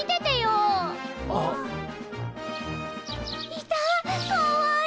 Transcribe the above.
いたかわいい！